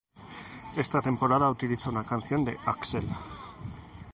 Esta temporada utiliza una canción de Axel.